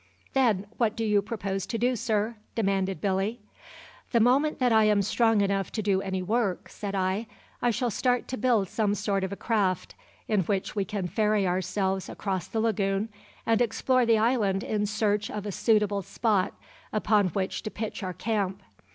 "Then, what do you propose to do, sir?" demanded Billy. "The moment that I am strong enough to do any work," said I, "I shall start to build some sort of a craft in which we can ferry ourselves across the lagoon and explore the island in search of a suitable spot upon which to pitch our camp.